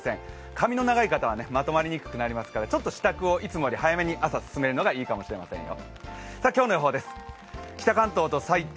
髪の長い方はまとまりにくくなりますからちょっと支度を朝、いつもより早く進めるのがいいかもしれませんよ。